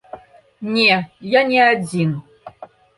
Не, я не адзін.